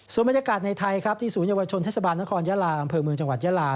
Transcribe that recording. ส่วนบรรยากาศในไทยครับที่ศูนยวชนเทศบาลนครยาลาอำเภอเมืองจังหวัดยาลา